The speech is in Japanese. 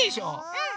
うん。